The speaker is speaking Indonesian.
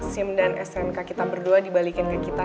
sim dan stnk kita berdua dibalikin ke kita